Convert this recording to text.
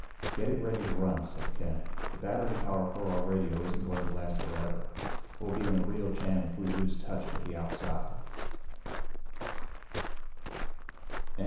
"Get it ready to run," said Ken. "The battery power for our radio isn't going to last forever. We'll be in a real jam if we lose touch with the outside."